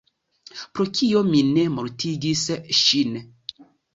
Pro kio mi ne mortigis ŝin?